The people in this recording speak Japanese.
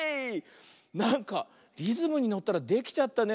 なんかリズムにのったらできちゃったね。